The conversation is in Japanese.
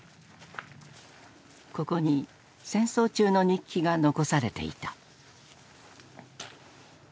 ここに戦争中の日記が残されていた。